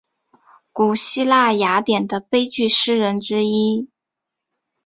古希腊雅典的悲剧诗人之一。